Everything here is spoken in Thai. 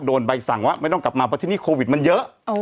ใบสั่งว่าไม่ต้องกลับมาเพราะที่นี่โควิดมันเยอะ